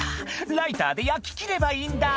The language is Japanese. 「ライターで焼き切ればいいんだ」